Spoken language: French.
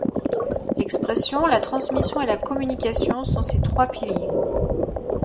L’expression, la transmission et la communication sont ses trois piliers.